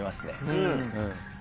うん。